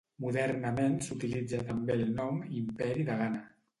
Modernament s'utilitza també el nom Imperi de Ghana.